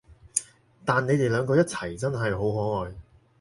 但你哋兩個一齊真係好可愛